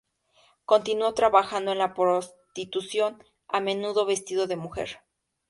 Continuó trabajando en la prostitución, a menudo vestido de mujer.